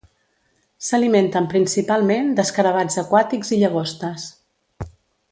S'alimenten principalment d'escarabats aquàtics i llagostes.